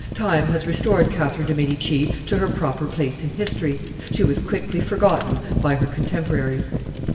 Time has restored Catherine de' Medici to her proper place in history; she was quickly forgotten by her contemporaries.